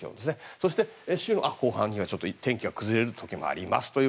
そして週の後半には天気が崩れる時もあります。